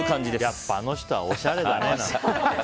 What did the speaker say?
やっぱり、あの人はおしゃれだね、なんて。